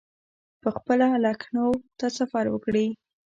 پخپله لکنهو ته سفر وکړي.